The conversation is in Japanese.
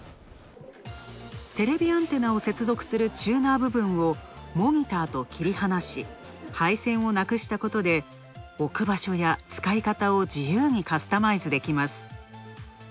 テレビアンテナを接続するチューナー部分をモニターと切り離し、配線をなくしたことで、置く場所や使い方を自由にカスタマイズできます。